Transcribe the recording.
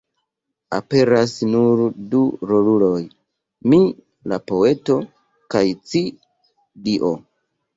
Aperas nur du roluloj: "mi", la poeto; kaj "ci", Dio.